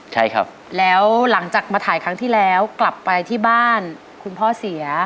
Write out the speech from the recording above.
ใช่ครับแล้วหลังจากมาถ่ายครั้งที่แล้วกลับไปที่บ้านคุณพ่อเสีย